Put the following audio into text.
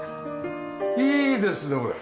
いいですねこれ。